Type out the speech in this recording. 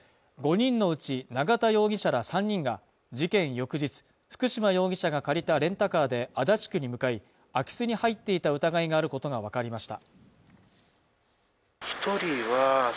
その後の捜査関係者への取材で、５人のうち、永田容疑者ら３人が、事件翌日、福島容疑者が借りたレンタカーで、足立区に向かい、空き巣に入っていた疑いがあることがわかりました。